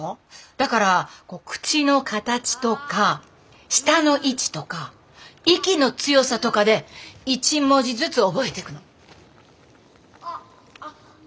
だから口の形とか舌の位置とか息の強さとかで一文字ずつ覚えてくの。